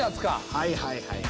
はいはいはいはい。